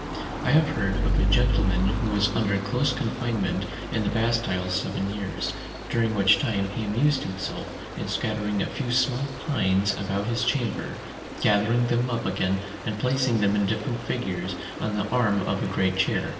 I have heard of a gentleman who was under close confinement in the Bastile seven years; during which time he amused himself in scattering a few small pins about his chamber, gathering them up again, and placing them in different figures on the arm of a great chair.